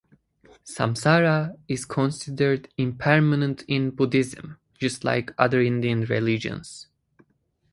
Samsara is considered impermanent in Buddhism, just like other Indian religions.